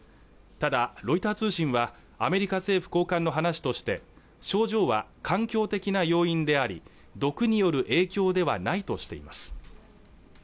ただロイター通信はアメリカ政府高官の話として症状は環境的な要因であり毒による影響ではないとしています